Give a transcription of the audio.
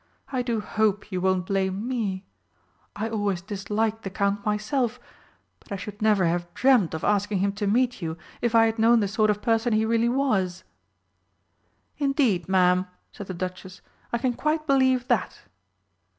I do hope you won't blame me. I always disliked the Count myself but I should never have dreamed of asking him to meet you if I had known the sort of person he really was!" "Indeed, Ma'am," said the Duchess, "I can quite believe that."